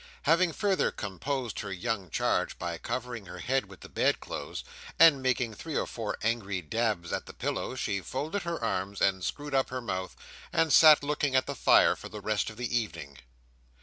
Having further composed her young charge by covering her head with the bedclothes, and making three or four angry dabs at the pillow, she folded her arms, and screwed up her mouth, and sat looking at the fire for the rest of the evening.